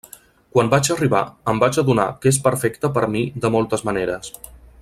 Quan vaig arribar, em vaig adonar que és perfecta per a mi de moltes maneres.